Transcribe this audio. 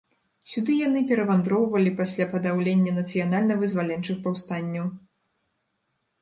Сюды яны перавандроўвалі пасля падаўлення нацыянальна-вызваленчых паўстанняў.